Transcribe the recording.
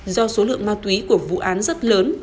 do số lượng ma túy của vụ án rất lớn